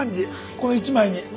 この一枚に。